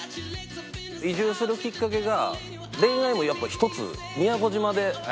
移住するきっかけが恋愛もやっぱ一つ宮古島でって思ったんですけど。